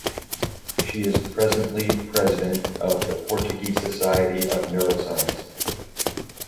She is presently president of the Portuguese Society of Neuroscience.